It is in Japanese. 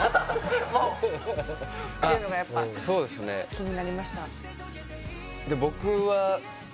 気になりました